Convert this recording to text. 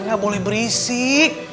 gak boleh berisik